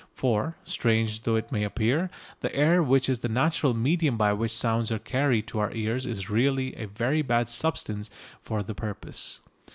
For, strange though it may appear, the air which is the natural medium by which sounds are carried to our ears is really a very bad substance for the purpose.